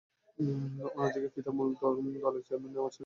অন্যদিকে ফিদা মূল দলের চেয়ারম্যান এবং নওয়াজ শরীফ সাধারণ সম্পাদক হন।